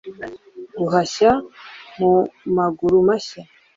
guhashya mu maguru mashya